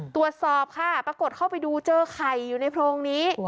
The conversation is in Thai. ตรวจสอบค่ะปรากฏเข้าไปดูเจอไข่อยู่ในโพรงนี้